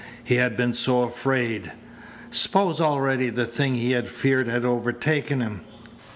He had been so afraid! Suppose already the thing he had feared had overtaken him?